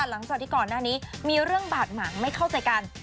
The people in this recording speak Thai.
หลังจากที่ก่อนหน้านี้มีเรื่องบาดหมางไม่เข้าใจกัน